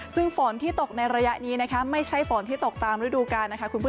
ซึ่งฝนที่ตกในระยะนี้ไม่ใช่ฝนที่ตกตามฤดูกา